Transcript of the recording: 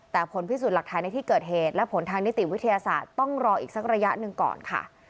แต่ผลพิสูจน์หลักฐานในที่เกิดเหตุและผลทางนิติวิทยาศาสตร์ต้องรออีกสักระยะหนึ่งก่อนค่ะ